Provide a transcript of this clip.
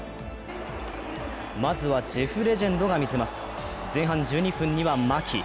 まずはジェフレジェンドがみせます、前半１２分には巻。